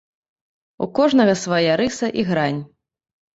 У кожнага свая рыса і грань.